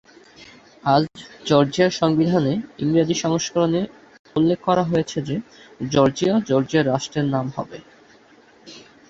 আজ জর্জিয়ার সংবিধানের ইংরেজি সংস্করণে উল্লেখ করা হয়েছে যে, "জর্জিয়া জর্জিয়ার রাষ্ট্রের নাম হবে।"